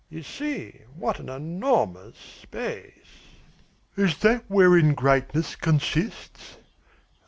You see what an enormous space." "Is that wherein greatness consists?"